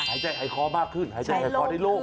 หายใจหายคอมากขึ้นหายใจหายคอได้โล่ง